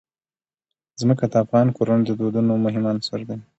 ځمکه د افغان کورنیو د دودونو مهم عنصر دی.